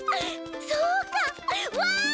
そうかわい！